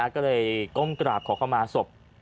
ก็เลยก้มกราบขอเข้ามาศพ